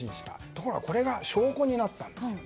ところがこれが証拠になったんです。